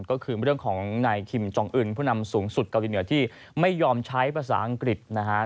ก็คือเรื่องของนายคิมจองอื่นผู้นำสูงสุดเกาหลีเหนือที่ไม่ยอมใช้ภาษาอังกฤษนะฮะ